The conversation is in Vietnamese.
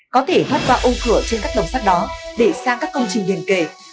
có thể thoát qua ô cửa trên các lồng sắt đó để sang các công trình hiền kể